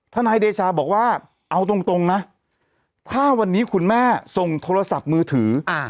นายเดชาบอกว่าเอาตรงนะถ้าวันนี้คุณแม่ส่งโทรศัพท์มือถือ